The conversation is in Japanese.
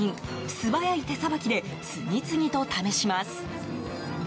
素早い手さばきで次々と試します。